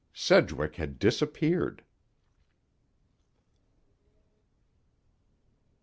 Sedgwick had disappeared.